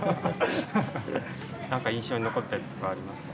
何か印象に残ったやつとかありますか？